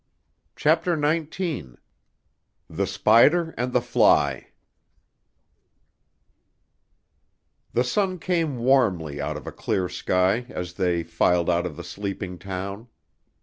CHAPTER XIX The Spider and the Fly The sun came warmly out of a clear sky as they filed out of the sleeping town.